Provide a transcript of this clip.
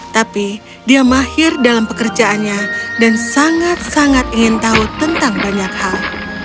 tapi dia mahir dalam pekerjaannya dan sangat sangat ingin tahu tentang banyak hal